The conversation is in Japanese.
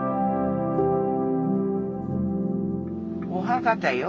お墓だよ